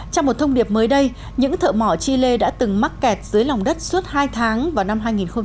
trong một thông điệp mới đây những thợ mỏ chile đã từng mắc kẹt dưới lòng đất suốt hai tháng vào năm hai nghìn một mươi